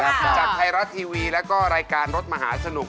จากไทยรัฐทีวีแล้วก็รายการรถมหาสนุก